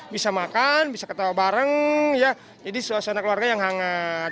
bisa makan bisa ketawa bareng jadi suasana keluarga yang hangat